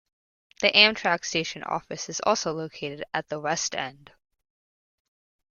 The Amtrak Station Office is also located at the West End.